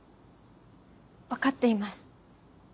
分かっています。